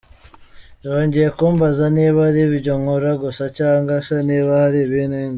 Yongeye kumbaza niba ari ibyo nkora gusa cyangwa se niba hari n’ibindi.